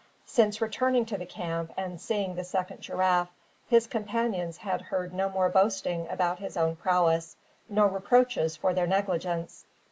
Since returning to the camp and seeing the second giraffe, his companions had heard no more boasting about his own prowess, nor reproaches for their negligence.